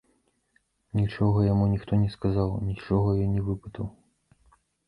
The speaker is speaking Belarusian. Нічога яму ніхто не сказаў, нічога ён не выпытаў.